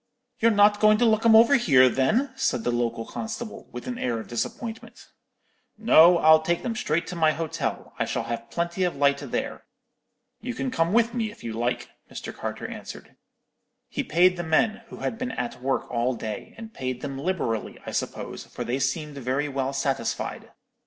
"'You're not going to look 'em over here, then?' said the local constable, with an air of disappointment. "'No, I'll take them straight to my hotel; I shall have plenty of light there. You can come with me, if you like,' Mr. Carter answered. "He paid the men, who had been at work all day, and paid them liberally, I suppose, for they seemed very well satisfied.